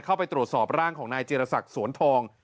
เข้าไปตรวจสอบร่างของนายจิรษักสวนทอง